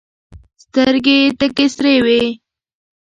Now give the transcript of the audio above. سترګي یې تکي سرې وې !